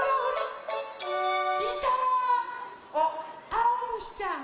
あおむしちゃん。